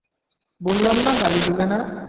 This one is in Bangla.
বললাম না গালি দিবে না।